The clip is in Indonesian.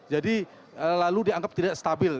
jadi lalu dianggap tidak stabil